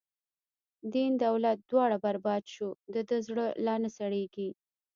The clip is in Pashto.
دین دولت دواړه بر باد شو، د ده زړه لا نه سړیږی